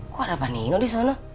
kok ada pak nino disana